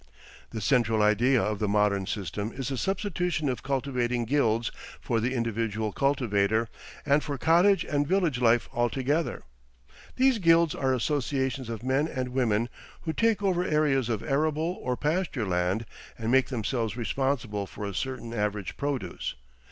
The central idea of the modern system is the substitution of cultivating guilds for the individual cultivator, and for cottage and village life altogether. These guilds are associations of men and women who take over areas of arable or pasture land, and make themselves responsible for a certain average produce.